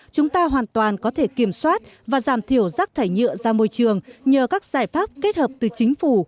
chúng ta hoàn toàn có thể kiểm soát và giảm thiểu rác thải nhựa ra môi trường nhờ các giải pháp kết hợp từ chính phủ